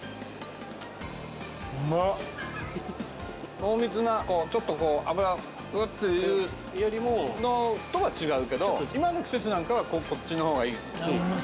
濃密なちょっとこう脂ギュッていうのとは違うけど今の季節なんかはこっちの方がいいし。